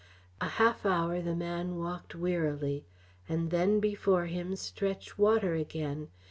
A half hour the man walked wearily, and then before him stretched water again.